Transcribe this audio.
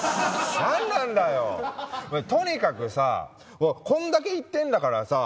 何なんだよとにかくさこんだけ言ってんだからさ